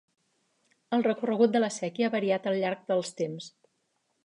El recorregut de la séquia ha variat al llarg dels temps.